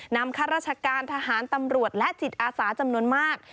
ข้าราชการทหารตำรวจและจิตอาสาจำนวนมาก